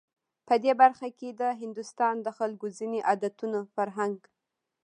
په دې برخه کې د هندوستان د خلکو ځینو عادتونو، فرهنک